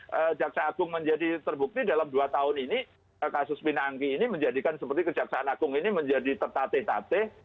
kejaksaan agung menjadi terbukti dalam dua tahun ini kasus pinanggi ini menjadikan seperti kejaksaan agung ini menjadi tertate tate